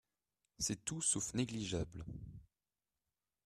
C’est tout sauf négligeable